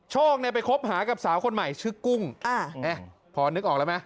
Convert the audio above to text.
โชคเนี่ยไปคบหากับสาวคนใหม่ชื่อกุ้งพอนึกออกแล้วไหม